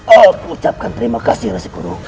aku ucapkan terima kasih rasikuru